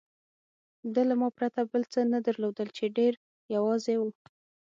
ده له ما پرته بل څه نه درلودل، چې ډېر یوازې و.